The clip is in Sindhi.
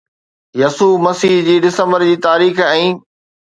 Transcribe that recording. يسوع مسيح جي ڊسمبر جي تاريخ ۽